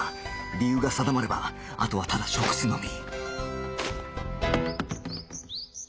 理由が定まればあとはただ食すのみ！